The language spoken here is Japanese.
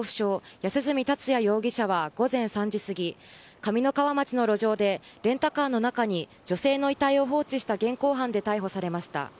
安栖達也容疑者は午前３時過ぎ、上三川町の路上でレンタカーの中に女性の遺体を放置した現行犯で逮捕されました。